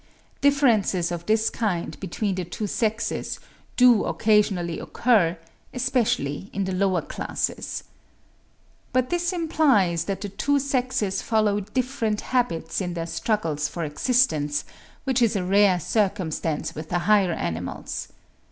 Differences of this kind between the two sexes do occasionally occur, especially in the lower classes. But this implies that the two sexes follow different habits in their struggles for existence, which is a rare circumstance with the higher animals.